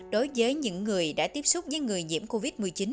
đối với những người đã tiếp xúc với người nhiễm covid một mươi chín